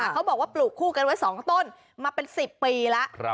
เขาบอกว่าปลูกคู่กันไว้๒ต้นมาเป็น๑๐ปีแล้ว